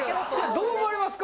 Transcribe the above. どう思われますか？